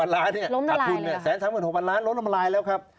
๑๓๖๐๐๐ล้านถัดทุน๑๓๖๐๐๐ล้านล้มนารายแล้วครับ